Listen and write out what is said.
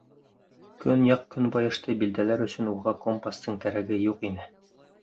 Көньяҡ-көнбайышты билдәләр өсөн уға компастың кәрәге юҡ ине.